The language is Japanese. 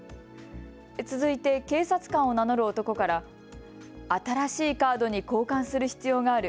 続いて、警察官を名乗る男から新しいカードに交換する必要がある。